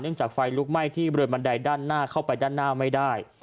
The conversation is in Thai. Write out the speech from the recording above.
จากไฟลุกไหม้ที่บริเวณบันไดด้านหน้าเข้าไปด้านหน้าไม่ได้